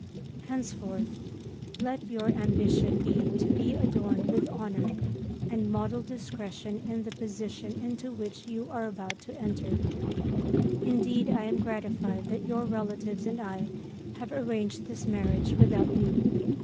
Henceforth, let your ambition be to be adorned with honour and modest discretion in the position into which you are about to enter. Indeed I am gratified that your relatives and I have arranged this marriage without you.